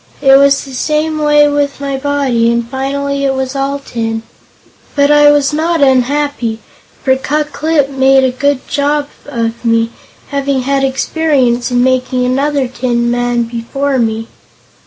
It was the same way with my body, and finally I was all tin. But I was not unhappy, for Ku Klip made a good job of me, having had experience in making another tin man before me."